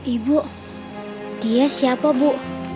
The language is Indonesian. ibu dia siapa bu